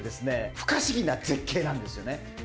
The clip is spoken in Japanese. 不可思議な絶景なんですよね。